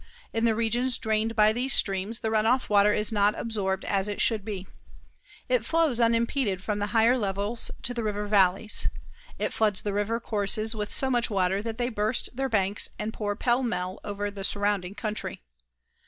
In the regions drained by these streams the run off water is not absorbed as it should be. It flows unimpeded from the higher levels to the river valleys. It floods the river courses with so much water that they burst their banks and pour pell mell over the surrounding country.